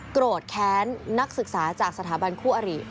โกรธแค้นนักศึกษาจากสถาบันคู่อริ